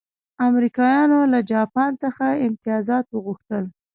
امریکایانو له جاپان څخه امتیازات وغوښتل.